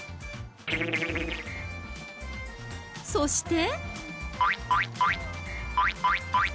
そして。